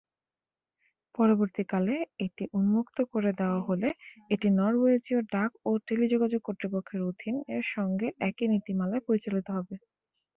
পরবর্তীকালে এটি উন্মুক্ত করে দেওয়া হলে এটি নরওয়েজীয় ডাক ও টেলিযোগাযোগ কর্তৃপক্ষের অধীন -এর সঙ্গে একই নীতিমালায় পরিচালিত হবে।